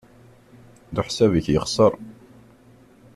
Leḥsab-ik yexṣer.